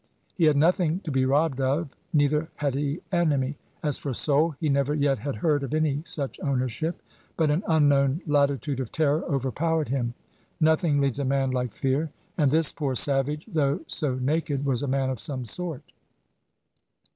He had nothing to be robbed off, neither had he enemy; as for soul, he never yet had heard of any such ownership. But an unknown latitude of terror overpowered him. Nothing leads a man like fear; and this poor savage, though so naked, was a man of some sort.